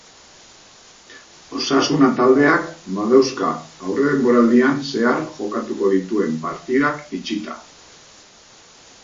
Osasuna taldeak badauzka aurredenboraldian zehar jokatuko dituen partidak itxita.